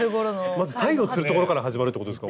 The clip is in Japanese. まず鯛を釣るところから始まるってことですか？